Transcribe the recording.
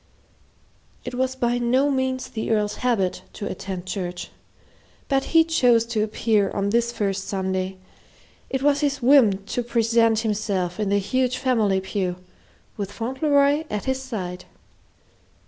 It was by no means the Earl's habit to attend church, but he chose to appear on this first Sunday it was his whim to present himself in the huge family pew, with Fauntleroy at his side.